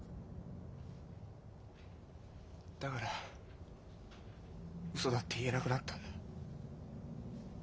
だからウソだって言えなくなったんだ。